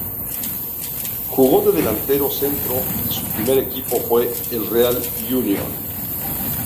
Jugó de delantero centro y su primer equipo fue el Real Unión.